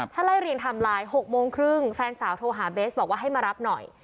ถ้าไล่เรียงไทม์ไลน์๖โมงครึ่งแฟนสาวโทรหาเบสบอกว่าให้มารับหน่อย